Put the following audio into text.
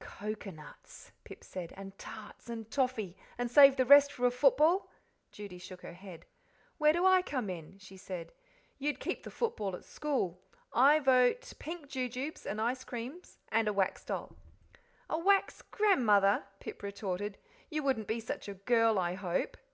"Coconuts," Pip said, "and tarts and toffee, and save the rest for a football?" Judy shook her head. "Where do I come in?" she said. "You'd keep the football at school. I vote pink jujubes, and icecreams, and a wax doll." "A wax grandmother!" Pip retorted; "you wouldn't be such a girl, I hope."